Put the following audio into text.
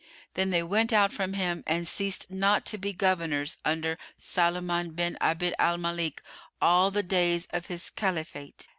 Then they went out from him and ceased not to be Governors under Sulayman bin Abd al Malik all the days of his Caliphate.